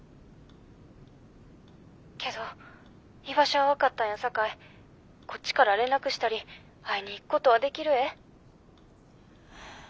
けど居場所は分かったんやさかいこっちから連絡したり会いに行くことはできるえ。